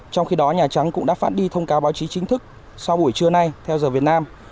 trong khi đó nhà trắng cũng đã phát đi thông cáo báo chí chính thức sau buổi trưa nay theo giờ việt nam